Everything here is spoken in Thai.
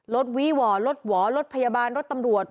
วีหว่อรถหวอรถพยาบาลรถตำรวจ